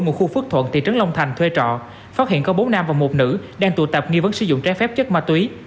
ngụ khu phước thuận thị trấn long thành thuê trọ phát hiện có bốn nam và một nữ đang tụ tập nghi vấn sử dụng trái phép chất ma túy